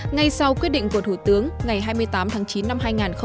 ngay sau quyết định của thủ tướng ngày hai mươi tám tháng chín năm hai nghìn một mươi chín